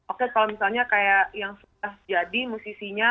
oke kalau misalnya kayak yang sudah jadi musisinya